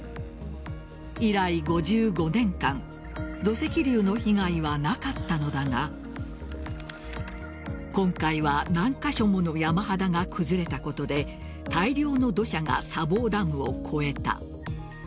以来、５５年間土石流の被害はなかったのだが今回は何カ所もの山肌が崩れたことで大量の土砂が砂防ダムを越えた。